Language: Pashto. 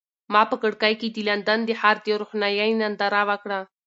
ما په کړکۍ کې د لندن د ښار د روښنایۍ ننداره وکړه.